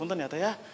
untung ya teh